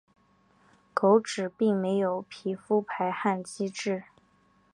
狗只并没有皮肤排汗机制。